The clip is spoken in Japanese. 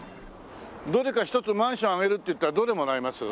どれか一つマンションあげるって言ったらどれもらいます？